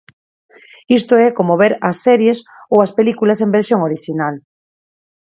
Isto é como ver as series ou as películas en versión orixinal.